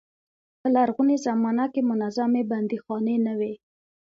په لرغونې زمانه کې منظمې بندیخانې نه وې.